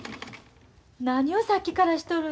何をさっきからしとるんや？